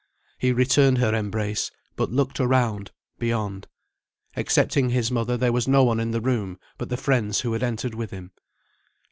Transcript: He returned her embrace, but looked around, beyond. Excepting his mother there was no one in the room but the friends who had entered with him.